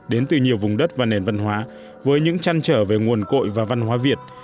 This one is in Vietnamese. đến từ nhiều vùng đất và nền văn hóa với những trăn trở về nguồn cội và văn hóa việt